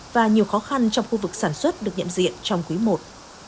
và nhiều khó khăn trong khu vực sản xuất được nhận diện trong quý i